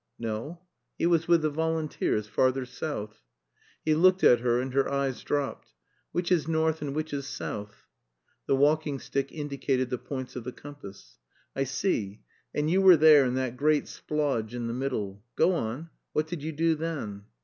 "No. He was with the volunteers, farther south." He looked at her and her eyes dropped. "Which is north and which is south?" The walking stick indicated the points of the compass. "I see. And you were there in that great splodge in the middle. Go on. What did you do then?"